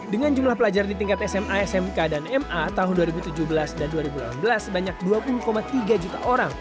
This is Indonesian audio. dengan jumlah pelajar di tingkat sma smk dan ma tahun dua ribu tujuh belas dan dua ribu delapan belas sebanyak dua puluh tiga juta orang